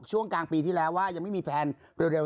ช่วงกลางปีที่แล้วว่ายังไม่มีแพลนเร็ว